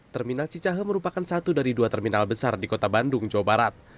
terminal cicahe merupakan satu dari dua terminal besar di kota bandung jawa barat